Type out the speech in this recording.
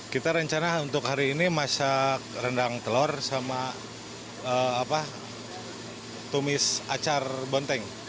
kita rencana untuk hari ini masak rendang telur sama tumis acar bonteng